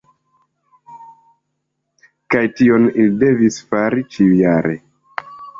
Kaj tion, ili devis fari ĉiujare.